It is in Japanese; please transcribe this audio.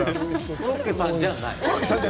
コロッケさんじゃない。